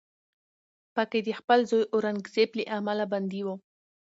په کې د خپل زوی اورنګزیب له امله بندي و